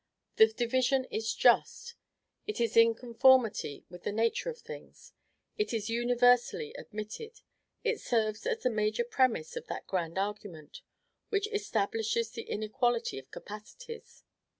This division is just; it is in conformity with the nature of things; it is universally admitted; it serves as the major premise of that grand argument which establishes the inequality of capacities.